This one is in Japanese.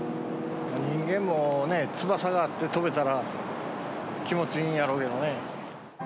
人間も翼があって飛べたら、気持ちいいんやろうけどね。